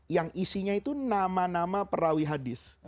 yang isinya itu nama nama perawi hadis